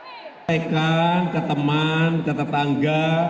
ketua ketua pertama jokowi menerima pembahasan dari kota palembang